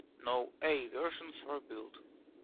No "A" versions were built.